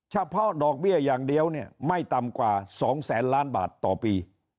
เฉพาะดอกเบี้ยอย่างเดียวเนี่ยไม่ต่ำกว่า๒แสนล้านบาทต่อปี